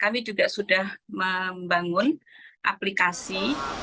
kami juga sudah membangun aplikasi